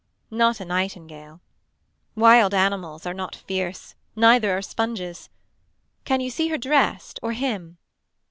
Not a nightingale. Wild animals are not fierce neither are sponges. Can you see her dressed or him.